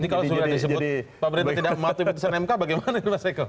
ini kalau sudah disebut pemerintah tidak mematuhi putusan mk bagaimana mas eko